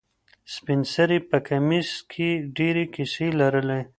سپین سرې په کمیس کې ډېرې کیسې لرلې.